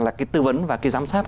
là cái tư vấn và cái giám sát